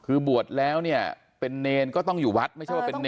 คือบวชแล้วเนี่ยเป็นเนรก็ต้องอยู่วัดไม่ใช่ว่าเป็นเน